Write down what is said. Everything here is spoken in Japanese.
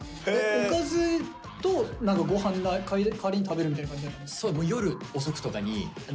おかずと何か御飯の代わりに食べるみたいな感じなの？